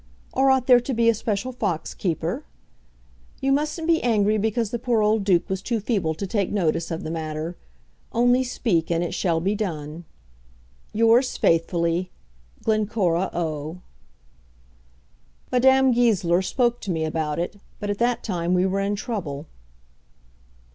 Or ought there to be a special fox keeper? You mustn't be angry because the poor old Duke was too feeble to take notice of the matter. Only speak, and it shall be done. Yours faithfully, GLENCORA O. Madame Goesler spoke to me about it; but at that time we were in trouble.